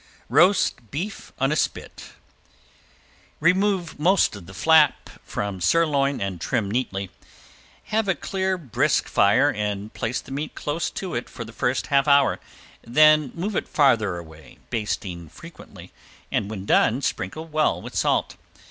~ROAST BEEF ON SPIT~ Remove most of the flap from sirloin and trim neatly. Have a clear brisk fire and place the meat close to it for the first half hour, then move it farther away, basting frequently, and when done sprinkle well with salt.